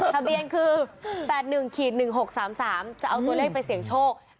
ทะเบียนคือ๘๑๑๖๓๓จะเอาตัวเลขไปเสี่ยงโชค